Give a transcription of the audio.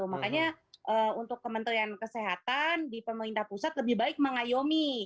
makanya untuk kementerian kesehatan di pemerintah pusat lebih baik mengayomi